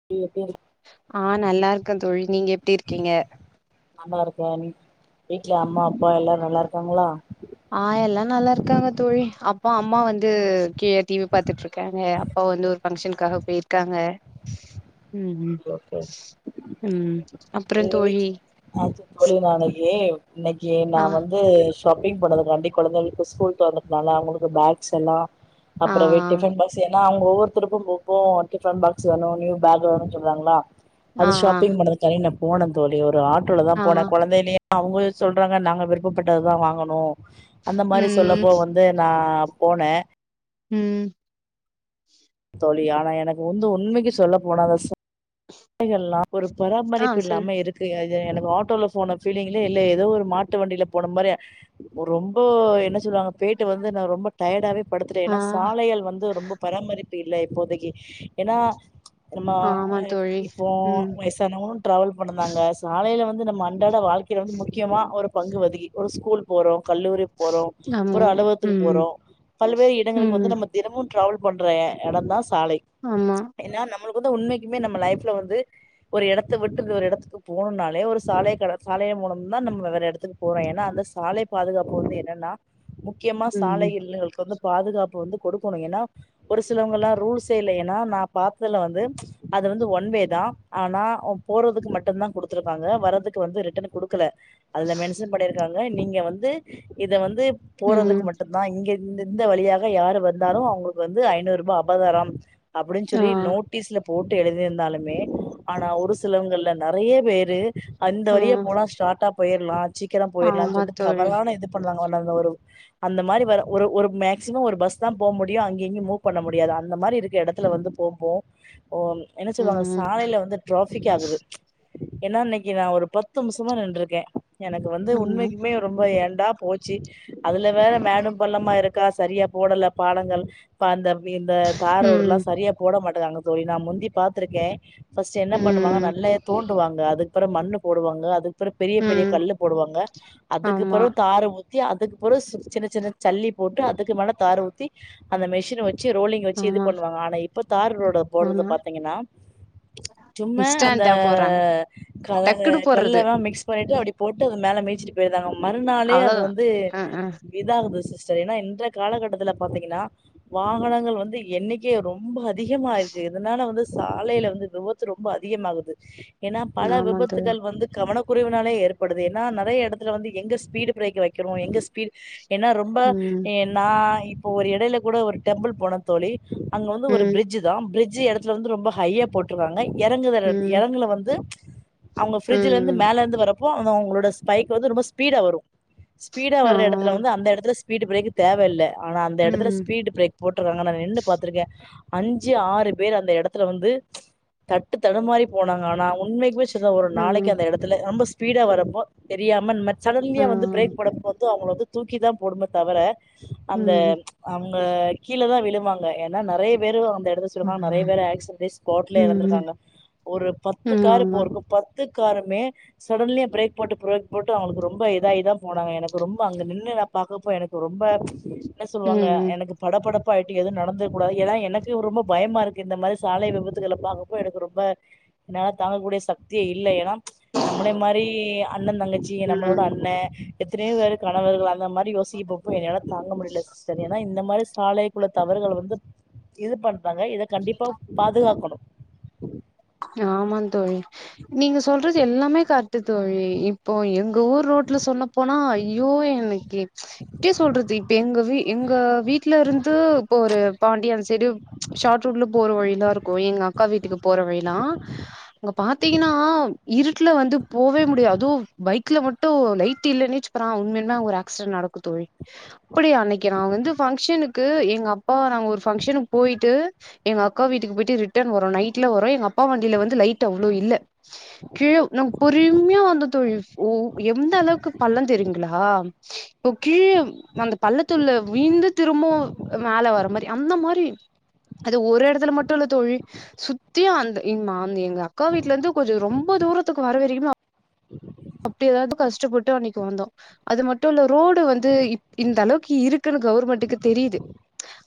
[unintelligible] ஆ நல்லா இருக்கே தோழி நீங்க எப்டி இருக்கீங்க நல்லாருக்கே வீட்ல அம்மா அப்பா எல்லாரு நல்லாருக்காங்ளா ஆ எல்லா நல்லா இருக்காங்க தோழி அப்பா அம்மா வந்து கீழ டிவி பாத்துட்டுருக்காங்க அப்பா வந்து ஒரு ஃபங்க்ஷனுக்காக போயிருக்காங்க ம் ம் ஓகே ஓகே ம் அப்பறந்தோழி ஆ [unintelligible] தோழி நாளைக்கி இன்னைக்கி நா ஆ வந் து ஷாப்பிங் பண்ணதுக்காண்டி கொழந்தைகளுக்கு ஸ்கூல் தொறந்துனால அவுங்களுக்கு பேக்ஸ் எல்லா ஆ அப்பறவே டிஃபன் பாக்ஸ் ஏனா அவுங்க ஒவ்வொருத்தருக்கும் [unintelligible] டிஃபன் பாக்ஸ் வேணு நியூ பேக் வேணு சொல்றாங்களா ஆ அது ஆ ஷாப்பிங் பண்றதுக்காவே நா போனே தோழி ஒரு ஆட்டோலதா ஆ போனே ஆ கொழந்தைகளையே அவங்களே சொல்றாங்க நாங்க விருப்பப்பட்டதுதா வாங்கணு அந்த மாரி ம் சொல்லப்போ வந் து நா போன ம் தோழி ஆனா எனக்கு வந்து உண்மைக்கி சொல்ல போனா அந்த சா லைகல்லா ஒரு ஆ பராமரிப்பு சொல்லு இல்லாம இருக் கு எனக்கு ஆட்டோல போன ஃபீலிங்லே இல்ல ஏதோ ஒரு மாட்டு வண்டியில போன மாரி ரொம்ப என்ன சொல்லுவாங்க பேட்டு வந்து நா ரொம்ப டயர்டாவே படுத்துட்டே ஆ ஏனா சாலைகள் வந்து ரொம்ப பராமரிப்பு இல்ல இப்போதைக்கி ஏனா நம்ம ஆமா தோழி இப்போ ம் வயசானவு டிராவல் பண்ணுந்தாங்க சாலையில வந்து நம்ம அன் றாட வாழ்க்கையில வந்து முக்கியமா ஒரு பங்குவதகி ஒரு ஸ்கூல் போறோ கல்லூரி போறோ ஆமா ஒரு அலுவகத்துக்கு ம் போறோ பல்வேறு இடங்களுக்கு ம் வந்து நம்ம தினமு ட்ராவல் பண்ற எ எடந்தீ சாலை ஆமா ஏன்னா நம்மளுக்கு வந்து உண்மைக்குமே நம்ம லைப் ஃப்ல வந்து ஒரு எடத்த விட்டு இன்னோர் எடத்துக்கு போணுன்னாலே ஒரு சாலை கட சாலைய மூலம்தா நம்ம வேற எடத்துக்கு போறோ ஏன்னா அந்த சாலை பாதுகாப்பு வந்து என்னன்னா முக்கியமா ம் சாலை [unintelligible] வந்து பாதுகாப்பு வந்து கொடுக்கணு ஏன்னா ஒரு சிலவங்கல்லா ரூல்ஸே இல்ல ஏன்னா நா பாத்ததுல வந்து அது வந்து ஒ ன் வேதா ஆனா போறதுக்கு மட்டுந்தா குடுத்துருப்பாங்க வர்றதுக்கு வந்து ரிட்டன் குடுக்கல அதுல மென்ஷன் பண்ணிருக்காங்க நீங்க வந்து இத வந்து ம் போறதுக்கு மட்டு ந்தா இங்க இந் இந்த வழியாக யாரு வந்தாலு அவங்களுக்கு வந்து ஐநூறுபா அபதாரம் அப்டின் ஆ சொல்லி நோட்டீஸ்ல போட்டு எழுதிருந்தாலு மே ஆனா ஒரு சிலவங்க இல்ல நறைய பேரு அந்த ஆ வழியா போனா ஸ்டாட்டா போய்ர்லா சீக்கிரொ போய்ர்லான் ஆமா சொல்ட்டு தோழி தவறான எ பண்வாங்க [unintelligible] அந்த மாரி வர ஒரு ஒரு மேக்சிமம் ஒரு பஸ் தா போ முடியு அங்கயிங்யு மூவ் பண்ண முடியாது அந்த மாரி இருக்க எடத்துல வந்து போம்போ ஓ என்ன சொல்லுவா ம் சாலையில வந்து ட்ராஃபிக் ஆகுது ஏனா அன்னைக்கி நா ஒரு பத்து நிம்ஷமா நின்ருக்கே எனக்கு வந்து ஆமா உண்மைக்குமே ரொம்ப ஏண்டா போச்சி அதுல வேற மேடும் பள்ளமா இருக்கா சரியா போடல பாலங்கள் ப அந்த இந்த ம் தாரோடுல்லா சரியா போட மாட்டேங்றாங்க தோழி நா முந்தி பார்த்ருக்கே ஃபஸ்ட்டு என்ன பண்ணுவாங்க ம் நல்லா தோண் டுவாங்க அதுக்ப்றொ மண்ணு போடுவாங்க அதுக்ப்ற பெரிய பெரிய ம் கல்லு போடுவாங்க அதுக்கு ஆமா பெறவு தாரு ஊ த்தி அதுக்கு பெறவு சின்ன சின்ன சல்லி போட்டு அதுக்கு மேல தாரு ஊத்தி அந்த மெஷின வச் சி ரோலிங் வெச்சி இது ஆமா பண்ணுவாங்க ஆனா இப்ப தார் ரோடு போட்றது ஆமா பாத்தீங்கன்னா சும்மா அந்த இன்ஸ்டன்டா போட்றாங்க கல டக்குன்னு போட்றது கல்லலா மிக்ஸ் பண்ணிட்டு அப்டி போட்டு அது மேல மேய்ச்சிட்டு போய்ர்றாங்க மறுநாளே அது அவ்ளோதா வந்து அ அ இதாகுது சிஸ்டர் ஏன்னா இன்றைய காலக்கட்டத்துல பாத்தீங்கன்னா வாகனங்கள் வந்து எண்ணிக்கே ரொம்ப அ திஹமா இருக்கு இதனால வந்து சாலையில வந்து விபத்து ரொம்ப அதிகமாகுது ஏன்னா பல ஆமா தோழி விபத்துகள் வந்து கவனக்குறைவுனாலே ஏற்படுது ஏன்னா நறைய எடத்ல வந்து எங்க ஸ்பீடு ப்ரேக் வெக்கெறோ எங்க ஸ்பீடு ஏனா ரொ ம்ப ம் எ நா இப்போ ஒரு எடைல கூட ஒரு டெம்பிள் போன தொழி அங்க வந்து ஒரு ம் ப்ரிட்ஜுதா ப்ரிட்ஜு எடத்துல வந்து ரொம்ப ஹையா போட் ருக்காங்க எறங்குத ம் எறங்குல வந்து அவ்ங்க ஃப்ரிட்ஜுலேந்து ம் மேலர்ந்து வரப் போ அது அவ்ங்களோட ஸ்பைக் வந்து ரொம்ப ஸ்பீடா வரு ஸ்பீடா ஆ வர்ற எடத்துல வந்து அந்த எடத்துல பீடு ப்ரேக்கு தேவ இல்ல ஆனா அந்த எடத்துல ம் ஸ்பீ்டு ப்ரேக் போட்ருக்காங்க நா நின்னு பாத்துருக்கே அஞ்சி ஆறு பேர் அந்த எடத்துல வந்து தட்டு தடுமாறி போனாங்க ஆனா உண்மைக்குமே சொல்ற ஒரு நாளைக்கி ம் அந்த எடத் துல ரொம்ப ஸ்பீடா வரப்போ தெரியாம இன்மாரி ஆ சடன்லியா வந்து ப்ரேக் போடப்போ அவ்ங்கள வந்து தூக்கி தா போடுமே தவர அந்த ம் ம் அவ்ங்க கீழதா விழுவாங்க ஏன்னா நறைய பேரு அந்த எடத்து [unintelligible] நறைய பேரு ஆக்சிடன்ட ல எறந்துருக்காங்க ஒரு பத்து ம் காரு ஆமா [unintelligible] பத்து காருமே சடன்லியா ப்ரேக் போட்டு ப்ரேக் போட்டு அவ்ங்களுக்கு ரொம்ப இதாய்தா போனாங்க எனக்கு ரொம்ப அங்க நின்னு நா பாக்கப்போ எனக்கு ரொம்ப என்ன சொல்வாங்க ம் எனக்கு படப்படப்பாய்ட்டு எதுவு நடந்துறக் கூடாது ஏனா எனக்கு ரொம்ப பயமா இருக்கு இந்த மாரி சாலை விபத் துகள பாக்கப்போ எனக்கு ரொம்ப என்னால தாங்கக்கூடிய சக்தியே இல்ல ஏன்னா நம்மனே மாரி அண்ணந் தங்கச்சி நம்மளோட ம் அண்ணே எத்தனையோ பேருக் கணவர்கள் அந்த மாரி யோசிக போப்போ எனைனாலத் தாங்க முடிலச் சரியனா இந்த மாரி சாலைக்குள்ளத் தவறுகள வந்துப் இதுப் பண்றாங்க இதக் கண்டிப்பாப் பாதுகாக்கன் ஆமாந் தோழி நீங்க சொல்றது எல்லாமே கர்ட்டுத் தோழி இப் இப்போ எங்க ஊர் ரோட்ல சொன்னப் போனா ஐயோ என்னைக்கி டியே சொல்றது இப்ப எங்க வீ எங்க வீட்லருந்து இப்போ ஒரு பாண்டிய அந்த சைடு ஷார்ட் ரூட்லப் போற வழிலா இருக்கு எங்கக் கா வீட்டுக்கு போற வழிலா அங்க பாத்தீங்கனா இருட்ல வந்துப் போவே முடியா அது பைக்ல மட்டு லைட்டில்லனேச்ப்பறா உண்மையல்மே அங்க ஒரு ஆக்சிடென்ட் நடக்குத் தோழி ப்புடி அன்னைக்கி நா வந்து ஃபங்க்ஷனுக்கு எங்க அப்பா நாங்க ஒரு ஃபங்க்ஷனுக் போயிட்டு எங்க அக்கா வீட்டுக்கு போயிட்டு ரிட்டர்ன் வரோ நைட்ல வரோ எங்க அப்பா வண்டில வந்து லைட் அவ்ளோ இல்ல கீழவ் நம் பொறும்யா வந்தோ தோழி வு எந்தளவுக்கு பள்ளந் தெரியுங்ளா ஓக் கீழம் நந்தப் பள்ளத்துள்ள வீந்து திரும்பவு மேல வர மாரி அந்த மாரி அது ஒரு எடத்துல மட்டு இல்லத் தோழி சுத்தியு அந்த இங் மாந் எங்க அக்கா வீட்லந்து கொஞ்சோ ரொம்ப தூரத்துக்கு வர வெரிகுமாப் அப்டி எதாவது கஷ்டப்பட்டு அன்னைக்கு வந்தோ அது மட்டுல்ல ரோடு வந்து இப் இந்தளவுக்கு இருக்குனு கவுவர்மெண்ட்டுக்கு தெரியிது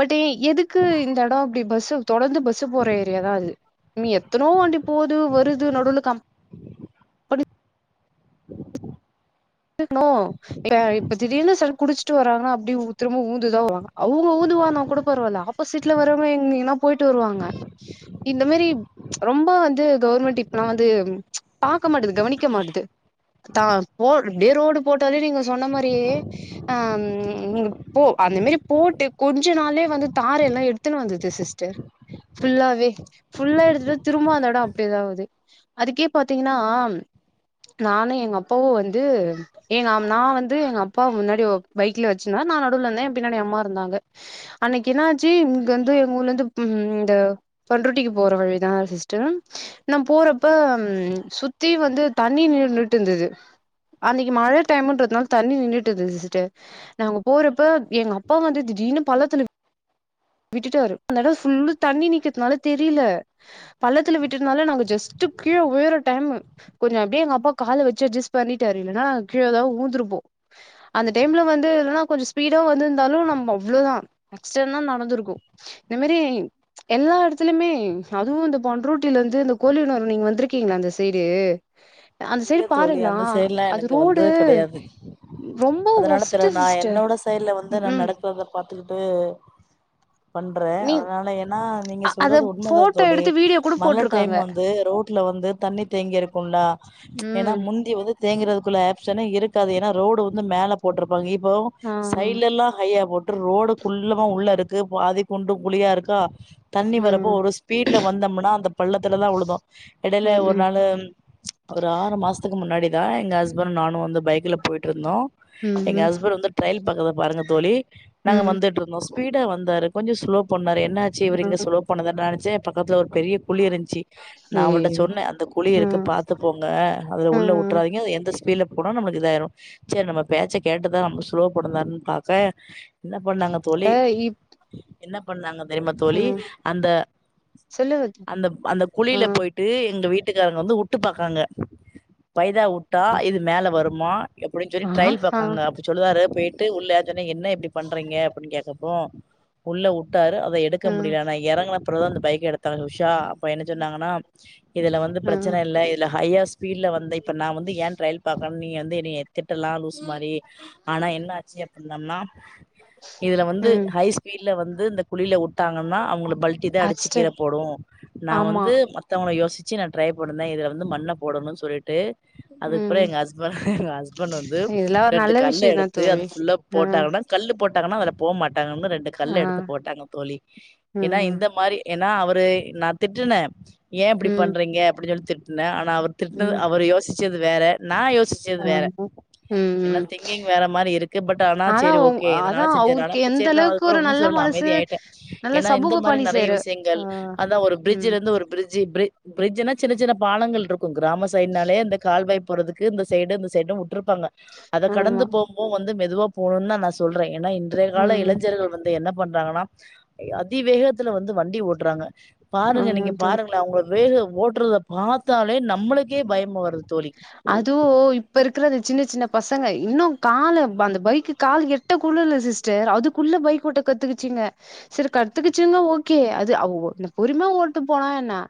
பட்டு இ எதுக்கு இந்த எடோ இப்டி பஸ்சு தொடர்ந்து பஸ்சு போற ஏரியாதா அது மீ எத்தனோ வாண்டிப் போது வருது நடுலக்கம் [unintelligible] இப்ப இப்ப திடீர்னு சர்க் குடிச்ட்டு வராங்கனா அப்டிவு திரும்ப ஊந்துதா வவுவாங்க அவுங்க ஊந்துவானாக் கூடப் பரவால அப் போசிட்ல வரவுங்க எங் எங்கனாப் போயிட்டு வருவாங்க இந்த மேரிப் ரொம்ப வந்து கவுர்மெண்ட் இப்பலா வந்து பாக்க மாட்டுது கவனிக்க மாட்டுது தாம் போ டே ரோடு போட்டாலே நீங்க சொன்ன மாரியே ஆம் இங்கப்போ அந்த மேரிப் போட்டு கொஞ்ச நாளே வந்துத் தார் எல்லா எடுத் த்துனு வந்தது சிஸ்டர் ஃபுல்லாவே ஃபுல்லா எடுத்துடு திரும்ப அந்த எடோ அப்டேதாவுது அதுக்கே‌ப் பாத்திங்கினாம் நானு எங்க அப்பாவு வந்து ஏகாம் நா வந்து எங்க அப்பா முன்னாடி ஓப் பைக்ல வெச்சுந்தா நா நடுவுலந்தே எம் பின்னாடி எ அம்மா இருந்தாங்க அன்னைக்கு என்னாச்சி இங்கந்து எங்கூர்லந்துப் ம் இந்த பண்ருட்டிக்கு போற வழிதா சிஸ்டர் நம் போறப்பம் சுத்தி வந்து தண்ணி நின்னுனுட்டுந்தது அன்னைக்கு மழ டைமுன்றத்னால தண்ணி நின்னுட்டுந்தது சிஸ்டர் நாங்க போறப்ப எங்கப்பா வந்து திடீர்னு பள்ளத்துலன் விட்டுட்டாரு அந்த எடோ ஃபுல்லுத் தண்ணி நிக்குத்னாலத் தெரில பள்ளத்துல விட்டுட்னால நாங்க ஜஸ்ட்டு கீழ உயற டைமு கொஞ்சோ அப்டியே எங்கப்பா கால வெச்சு அஜ்ஸ்ட் பண்ணிட்டாரு இலனா கீழதா ஊந்துருப்போ அந்த டைம்ல வந்து இல்லனா கொஞ்சோ ஸ்பீடா வந்துந்தாலு நம்ம அவ்ளோதா அக்சிடென்னா நடந்துர் ருகு இந்த மேரி எல்லா எடத்லிமே அதுவு இந்த பண்ருட்டிலர்ந்து இந்த கோழினூர் நீங்க வந்திருக்கீங்ளா இந்த சைடு அந்த சைடு இல்லத் தோழி பாருங்களா அந்த சைட்லா அது எனக்கு ரோடு வந்தது கெடையாது ரொம்ப அதனால ஒஸ்ட்டு திறநா சிஸ்டர் என்னோட சைல்ல வந்து ம் நா ம் நடப்பத பாத்துகிட்டு பண்றே நீ அதனால எனா நீங்க அ அத சொல்றது உண்மதா போட்டோ தோழி எடுத்து வீடியோ கூட மழ டைம் போட்ருக்காங்க வந்து ரோட்ல வந்து தண்ணி தேங்கி இருக்கும்லா ஏன்னா ம் முந்தி வந்து தேங்குறதுக்குள்ள ஆஃப்ஷன் இருக்காது ஏன்னா ரோடு வந்து மேல போட்ருப்பாங்க இப் போ ஆ சைடுல எல்லா ஹையா போட்டு ரோடு குள்ளமா உள்ள இருக்கு பாதி குண்டும் குழியா இருக்கா தண்ணி வரப்போ ம் ஒரு ஸ்பீடுல வந்தோமுனா அந்த பள்ளத்துலதா வுழுந்தோ எடையில ம் ஒரு ம் நாளு ஒரு ஆறு மாசத்துக்கு முன்னாடிதா எங்க ஹஸ்பண்ட் நானு வந்து பைக்ல போயிட்டு இருந்தோ ம் எங்க ம் ஹஸ்பண்ட் வந்து டிரையல் பக்கறத பாருங்க தோழி நாங்க ம் வந்துட்டு இருந்தோ ஸ்பீடா வந்தாரு கொஞ்சோ ஸ்லோ பண்ணாரு என்னச்சு இவரு இங்க ம் ஸ்லோ பண்ணுதா நனைச்சே பக்கத்து ஒரு பெரிய குழி இருந்துச்சு நா அவருட்ட ஐயையோ சொன்னே அந்த குழி இருக்கு ம் பாத் போங்க அதுல உள்ள ம் வுட்டுறாதீங்க அது எந்த ஸ்பீட்ல போன நம்மளுக்கு இதாயிரு சேரி நம்ம பேச்ச கேட்டுதா நம்ம ஸ்லோ பண்ணுதான்னு பாக்ற என்ன பண்ணாங்க தோழி அ இப் என்ன பண்ணாங்க தெரியுமா தோழி ம் அந்த சொல்லு வத் அந்த அந்த குழில ம் போயி ட்டு எங்க வீட்டுக்காரங்க வந்து வுட்டு பாக்கறாங்க வைதா வுட்டா இது மேல வருமா எப்படின்னு சொல்லி ஆ ட்ரைல் ஆ பாக்காங்க ப்ப சொல்லுவாரு போயிட்டு உள்ள நா சொன்னே என்ன இப்படி பண்றீங்க அப்படின்னு கேட்டப்போ உள்ள வுட்டாரு அத எடுக்க ம் முடியல நா எறங்கினப்பறந்தா அந்த பைக்க எடுத்தாங்க உஷா அப்ப என்ன சொன்னாங்கன்னா இதுல வந்து ம் பிரச்சன இல்ல இதுல ஹையா ஸ்பீடுல வந்த இப்ப நா வந்து ஏன் டிரையல் பாக்கனு நீங்க வந்து என்னய திட்டலா லூஸ் மாரி ஆனா என்ன ஆச்சு அப்டிந்தம்னா இதுல வந்து ம் ஹை ஸ்பீடுல வந்து குழில வுட்டாங்கன்னா அவங்க பல் டிதா அடிச்சு கீழ அஸ்டன் போடு நா ஆமா வந்து மத்தவங்கள யோசிச்சி நா டிரை பண் ணுன இதுல வந்து மண்ண போடணுனு சொல்லிட்டு ம் அதுக்குபிறகு எங்க ஹஸ்ப எங்க ஹஸ்பண்ட் வந்து இதெல்லா ஒரு ரெண்டு நல்ல கல்ல விஷயந்தா எடுத்து அது தோழி ஃபுல்லா ஆ போட்டாங்கன்னா கல்லு போட்டாங்கன்னா அதுல போ மாட்டாங்க ரெண்டு ஆ கல்ல எடுத்து போட்டாங்க தோழி ஏன்னா ம் இந்த மாரி என்னா அவரு நா திட்டுனே ஏ இப்படி ம் பண்றீங்க அப்டின்னு சொல்லி திட்டுனே ஆனா அவர் திட்டுனதா அவர் யோசிச்சது வேற நா யோசி ஆஹ ஏன்னா திங்கிங் வேற மாரி இருக்கு பட் ஆனா சேரி உங் ஓகே இதனால அதா செஞ்சனால அவருக்கு அப்ப எந்த சேரி நா அளவுக்கு அப்பறோ ஒரு ஒன்னு நல்ல சொல்லல மனசு அமைதி ஆயிட்டே நல்ல ஏன்னா இந்த சமூக மாரி பணி நறைய செய்ற விஷயங்கள் ஆ அதா ஒரு ம் பிரிட்ஜ்ல இருந்து ஒரு பிரிட்ஜ் பிரிட்ஜ்னா சின்ன சின்ன பாலங்கள் இருக்கும் கிராம சைடுனாலே அந்த கால்வாய் போறதுக்கு இந்த சைடு இந்த சைடு விட்டருப்பாங்க அதை ஆமா கடந்து போகும்போது வந்து மெதுவா போணுனுதா நா சொல்றே ஏன்னா இன்றைய கால ம் இளைஞர்கள் வந் து என்ன பண்றாங்கன்னா அதிவேகத்துல வந்து வண்டி ஓட்றாங்க பாருங்க ஆமா நீங்க தோ பாருங்கள அவங்க வேக ஓட்டுறத பாத்தாலே நம்மளுக்கே பயமா வருது தோழி அதுவு இப்ப இருக்கிற அந்த சின்ன சின்ன பசங்க இன்னு கால அந்த பைக்கு கால் எட் டகூட இல்ல சிஸ்டர் அதுக்குள்ள பைக் ஓட்ட கத்துக்கிச்சுங்க சேரி கத்துக்கிச்சுங்க ஓகே அது அவங்க பொறுமையா ஓட்டு போனா என்ன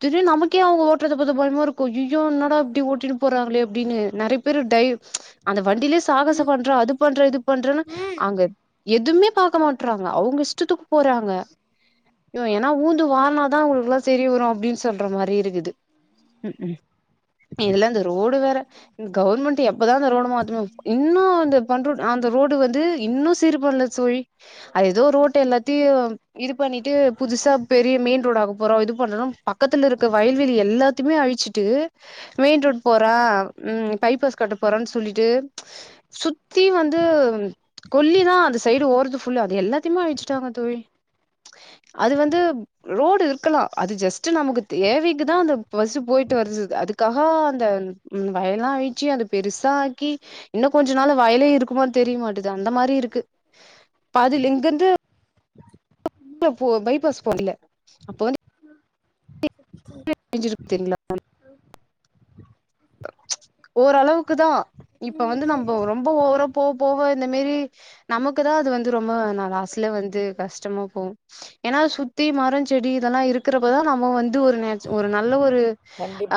இதுலயு நமக்கே அவங்க ஓட்டுறதுத பாத்தா பயமா இருக்கு ஐயயோ என்னடா இட்டி ஓட்டின்ட்டு போறாங்களே அப்டின்னு நறைய பேரு டைவ் அந்த வண்டிலேயே சாகச ம் பண்ற அது பண்ற இது பண்றேன்னு ம் அங்க எதுவுமே பாக்க மாட்டறாங்க அவங்க இஷ்டத்துக்கு போறாங்க ம் ஏன்னா வுழ்ந்து வாருனாதா அவங்களுக்குல்லா செரி வரு அப்டின்னு சொல்ற மாரி இருக்குது ம் ம் இதுல இந்த ரோடு வேற இந்த கவர்மெண்ட் எப்பதா அந்த ரோடு மாத்துமே இன்னு அந்த பண்ரு அந்த ரோடு வந்து இன்னு சீர் பண்ணல தோழி அது ஏதோ ரோட்டு எல்லாத்தையும் இது பண்ணிட்டு புதுசா பெரிய மெயின் ரோடாக்க போறோ இது பண்றோ பக்கத்துல இருக்க வயல்வெளி எல்லாத்த த்துமே அழிச்சுட்டு மெயின் ரோட் போட்ற ம் பைப்பஸ் கட்ட போறன்னு சொல்லிட்டு சுத் த்தி வந்து கொல்லிதா அந்த சைடு ஓறத்து ஃபுல்லு அது எல்லாத்தையுமே அழிச்சுட்டாங்க தோழி அது வந்து ரோடு இருக்கலா அது ஜஸ்ட் நமக்கு தேவைக்குதா அந்த பஸ்சு போயிட்டு வருது அதுக்காக அந்த ம் வயல்லாம் அழிச்சு அது பெருசா ஆக்கி இன்னும் கொஞ்ச நாள்ள வயலே இருக்குமான்னு தெரிய மாட்டது அந்த மாரி இருக்கு பாதில் இங்கிருந்து போ பைபாஸ் போ இல்ல அப்ப வந்து உஹம் ளா பெஞ்சுருக் தெரில மேம் ஓளவுக்குதா இப்ப வந்து நம்ம ரொம்ப ஓவரா போ போவ இந்த மாரி நமக்கு தா அது வந்து ரொம்ப ந லாஸ்ட்ல வந்து கஷ்டமா போகும் ஏன்னா சுத்தி மரம் செடி இதெல்லாம் இருக்குறப்ப தா நம்ம வந்து ஒரு நெ ஒரு நல்ல ஒரு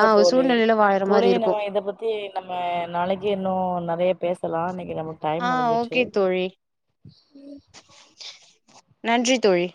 ஆ ஒரு சூழ்நிலையில வாழற மாரி இருக்கும் த்தி நம்ம நாளைக்கு இன்னும் நெறைய பேசலாம் இன்னைக்கு நமக்கு டைம் ஆ முடிஞ்சிர்சு ஓகே தோழி ம் நன்றி தோழி